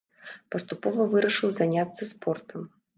Паступова вырашыў заняцца спортам.